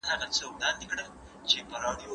زه بايد وخت تېرووم؟